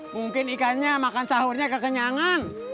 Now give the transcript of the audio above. mungkin ikannya makan sahurnya kekenyangan